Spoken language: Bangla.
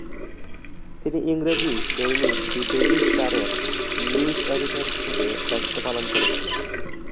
তিনি ইংরেজি দৈনিক দ্য ডেইলি স্টারের নিউজ এডিটর হিসাবে দায়িত্ব পালন করেছিলেন।